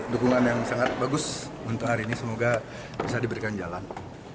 dukungan yang sangat bagus untuk hari ini semoga bisa diberikan jalan